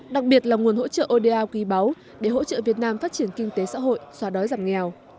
đặc biệt là nguồn hỗ trợ oda quý báu để hỗ trợ việt nam phát triển kinh tế xã hội xóa đói giảm nghèo